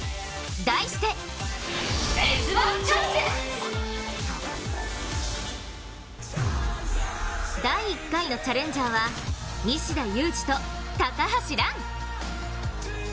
題して第１回のチャレンジャーは西田有志と高橋藍。